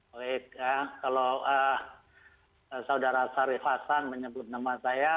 baik ya kalau saudara syarif hasan menyebut nama saya